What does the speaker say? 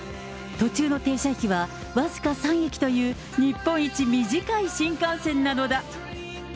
途中の停車駅は僅か３駅という日本一短い新幹線なのだ。